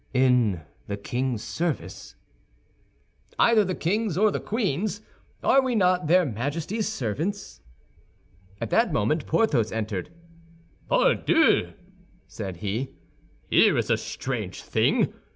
"In the king's service?" "Either the king's or the queen's. Are we not their Majesties' servants?" At that moment Porthos entered. "Pardieu!" said he, "here is a strange thing!